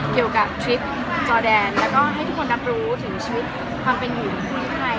เกี่ยวกับทริปจอดแดนแล้วก็ให้ทุกคนรับรู้ถึงชีวิตความเป็นอยู่ที่ไทย